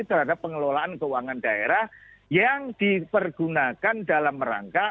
terhadap pengelolaan keuangan daerah yang dipergunakan dalam rangka